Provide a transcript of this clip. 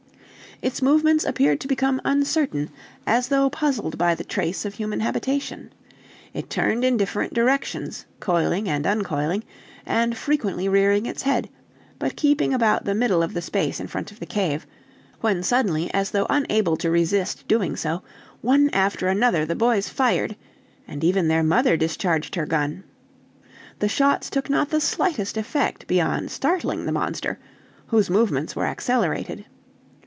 Its movements appeared to become uncertain, as though puzzled by the trace of human habitation; it turned in different directions, coiling and uncoiling, and frequently rearing its head, but keeping about the middle of the space in front of the cave, when suddenly, as though unable to resist doing so, one after another the boys fired, and even their mother discharged her gun. The shots took not the slightest effect beyond startling the monster, whose movements were accelerated.